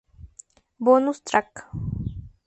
Bonus track